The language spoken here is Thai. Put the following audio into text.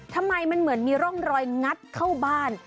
ทำไมมันเหมือนมีร่องรอยงัดเข้าบ้าน